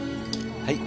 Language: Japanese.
はい！